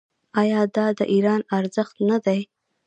آیا دا د ایران ارزښت نه دی؟